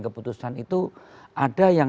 keputusan itu ada yang